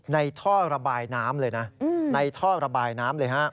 ท่อระบายน้ำเลยนะในท่อระบายน้ำเลยฮะ